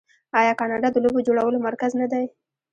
آیا کاناډا د لوبو جوړولو مرکز نه دی؟